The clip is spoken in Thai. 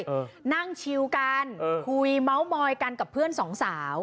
เออนั่งชิวกันเออคุยเมาส์มอยกันกับเพื่อนสองสาว